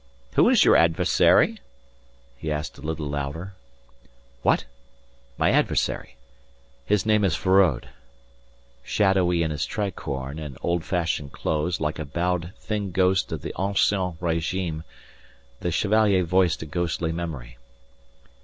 "Who is your adversary?" he asked a little louder. "What? My adversary! His name is Feraud." Shadowy in his_ tricorne_ and old fashioned clothes like a bowed thin ghost of the ancien régime the Chevalier voiced a ghostly memory.